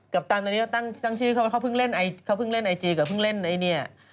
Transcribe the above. กัปตันตอนนี้ตั้งชื่อเขาเขาเพิ่งเล่นไอจีกับเพิ่งเล่นไอเนี่ย